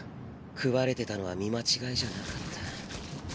食われてたのは見間違いじゃなかった。